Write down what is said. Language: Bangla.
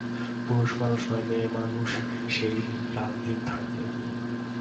পুরুষমানুষ নয়, মেয়েমানুষ-সে রাত-দিন থাকবে।